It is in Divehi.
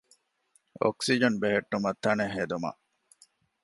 އޮކްސިޖަން ބެހެއްޓުމަށް ތަނެއް ހެދުމަށް